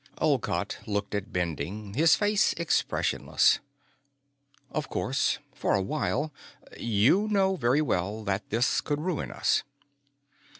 Olcott looked at Bending, his face expressionless. "Of course. For a while. You know very well that this could ruin us."